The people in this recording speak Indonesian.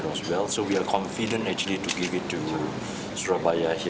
jadi kami yakin bisa memberikan ini ke surabaya